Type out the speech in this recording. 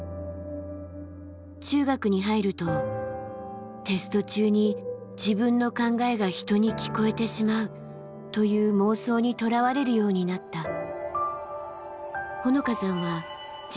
中学に入ると「テスト中に自分の考えが人に聞こえてしまう」という妄想にとらわれるようになった。